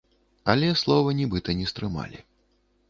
Але слова нібыта не стрымалі.